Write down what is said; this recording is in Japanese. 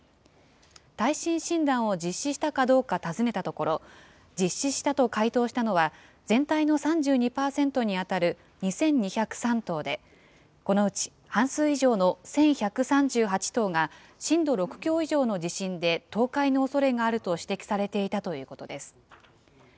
耐震診断を実施したかどうか尋ねたところ、実施したと回答したのは、全体の３２％に当たる２２０３棟で、このうち半数以上の１１３８棟が震度６強以上の地震で倒壊のおそれがあると指摘されていたということです。